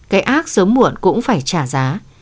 cái ác sớm muộn cũng phải trả giá